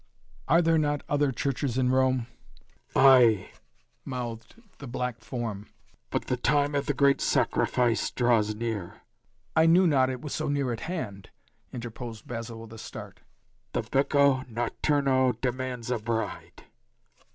"Are there not other churches in Rome?" "Ay!" mouthed the black form. "But the time of the great sacrifice draws near " "I knew not it was so near at hand," interposed Basil with a start. "The Becco Notturno demands a bride!"